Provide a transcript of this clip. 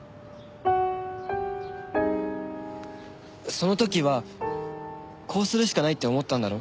その時はこうするしかないって思ったんだろ？